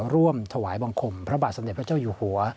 ร่วมถวายบังคมพระบาทสมเด็จพระเจ้าอยู่หัว